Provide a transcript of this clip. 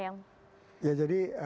yang ya jadi